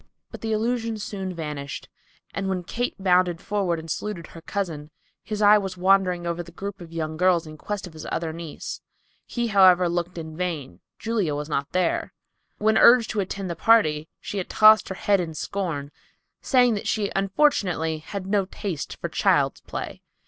But the illusion soon vanished, and when Kate bounded forward and saluted her cousin, his eye was wandering over the group of young girls in quest of his other niece. He, however, looked in vain. Julia was not there. When urged to attend the party, she had tossed her head in scorn saying that she unfortunately had no taste for child's play.